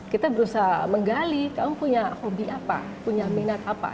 kita berusaha menggali kamu punya hobi apa punya minat apa